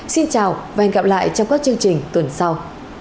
xin chào và hẹn gặp lại trong các chương trình tuần sau